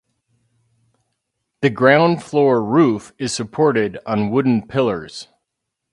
The ground floor roof is supported on wooden pillars.